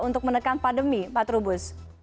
untuk menekan pandemi pak trubus